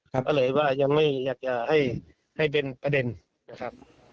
ก็เลยว่ายังไม่อยากจะให้เป็นประเด็นนะครับ